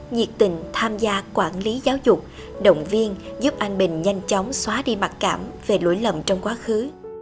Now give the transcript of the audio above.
nhiệt tình tham gia quản lý giáo dục động viên giúp anh bình nhanh chóng xóa đi mặc cảm về lỗi lầm trong quá khứ